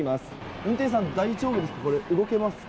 運転手さん、大丈夫ですか？